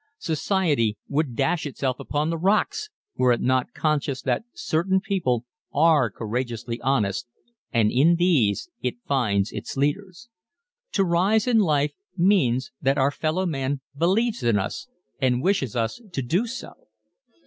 Society would dash itself upon the rocks were it not conscious that certain people are courageously honest, and in these it finds its leaders. To rise in life means that our fellow man believes in us and wishes us to do so.